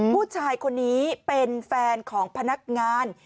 ผู้ชายคนนี้เป็นแฟนของพนักงาน